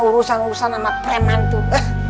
urusan urusan sama preman juga